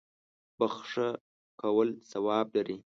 بخښه کول ثواب لري.